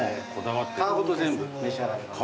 皮ごと全部召し上がれます。